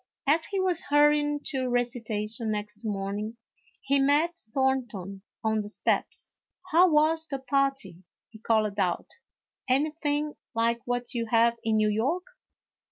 As he was hurrying to recitation next morning, he met Thornton on the steps. " How was the party ?" he called out ;" anything like what you have in New York